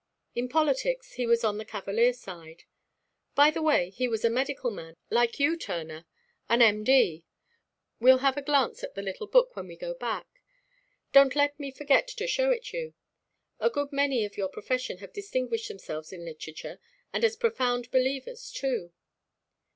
In politics he was on the Cavalier side. By the way, he was a medical man, like you, Turner an M.D. We'll have a glance at the little book when we go back. Don't let me forget to show it you. A good many of your profession have distinguished themselves in literature, and as profound believers too."